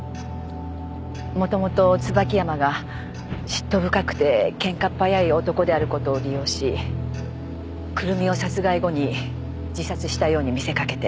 元々椿山が嫉妬深くてケンカっ早い男である事を利用し久瑠実を殺害後に自殺したように見せかけて。